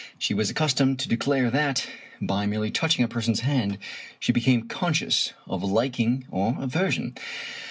She was accustomed to declare that, by merely touching a person's hand, she became conscious of liking or aversion.